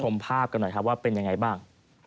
ในที่ไหนบ้าง